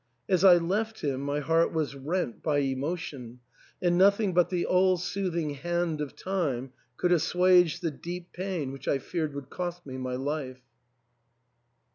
As I left him my heart was rent by emotion ; and nothing but the all soothing hand of Time could assuage the deep pain which I feared would cost me my life.